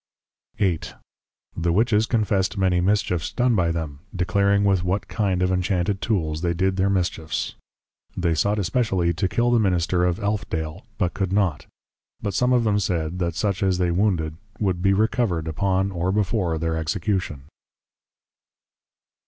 VIII. The Witches confessed many mischiefs done by them, declaring with what kind of \Enchanted Tools\, they did their Mischiefs. They sought especially to \kill the Minister\ of Elfdale, but could not. But some of them said, that such as they wounded, would \Be recovered\, upon or before their Execution.